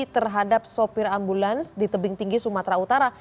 terhadap sopir ambulans di tebing tinggi sumatera utara